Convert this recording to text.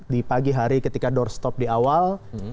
di pagi hari ketika doorstop di awal